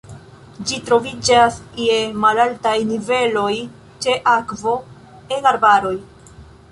Ĝi troviĝas je malaltaj niveloj ĉe akvo en arbaroj.